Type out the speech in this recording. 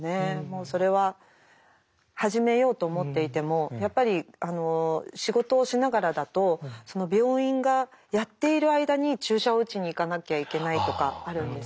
それは始めようと思っていてもやっぱり仕事をしながらだとその病院がやっている間に注射を打ちに行かなきゃいけないとかあるんですね。